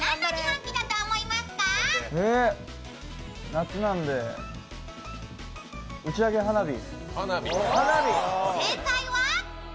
夏なんで打ち上げ花火。